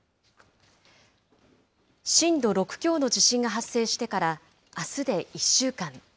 震度６強の地震が発生してからあすで１週間。